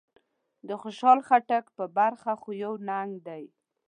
د خوشحال خټک په برخه خو يو ننګ دی.